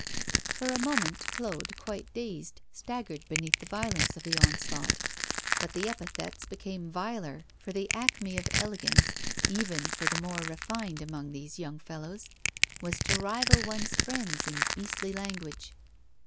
For a moment Claude, quite dazed, staggered beneath the violence of the onslaught. But the epithets became viler, for the acme of elegance, even for the more refined among these young fellows, was to rival one's friends in beastly language.